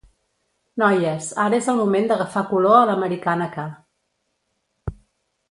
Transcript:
Noies, ara és el moment d'agafar color a l'americana que.